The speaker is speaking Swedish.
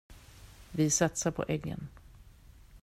Vi satsar på äggen.